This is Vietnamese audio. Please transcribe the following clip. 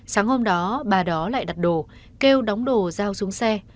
sáng hôm đó bà đó lại đặt đồ kêu đóng đồ giao xuống xe